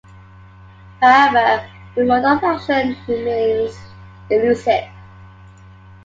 However the mode of action remains elusive.